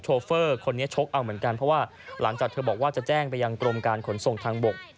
เฟอร์คนนี้ชกเอาเหมือนกันเพราะว่าหลังจากเธอบอกว่าจะแจ้งไปยังกรมการขนส่งทางบก